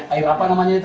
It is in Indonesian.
air apa namanya itu